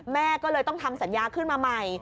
แม่ก็เลยต้องทำสัญญาขึ้นมาใหม่